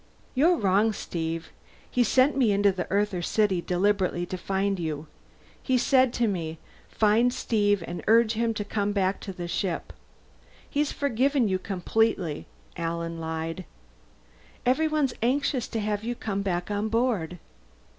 "You're wrong, Steve. He sent me into the Earther city deliberately to find you. He said to me, 'Find Steve and urge him to come back to the ship.' He's forgiven you completely," Alan lied. "Everyone's anxious to have you come back on board."